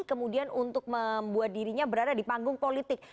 kemudian untuk membuat dirinya berada di panggung politik